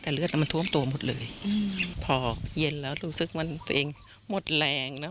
แต่เลือดมันท่วมตัวหมดเลยอืมพอเย็นแล้วรู้สึกว่าตัวเองหมดแรงนะ